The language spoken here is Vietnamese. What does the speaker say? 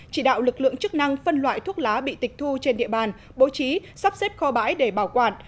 chỉ đạo lực lượng chức năng phân loại thuốc lá bị tịch thu trên địa bàn bố trí sắp xếp kho bãi để bảo quản